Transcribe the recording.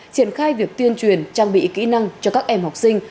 triển khai việc tuyên truyền trang bị kỹ năng cho các em học sinh